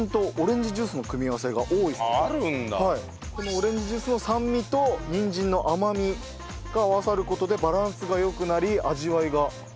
オレンジジュースの酸味とにんじんの甘みが合わさる事でバランスが良くなり味わいが深くなる。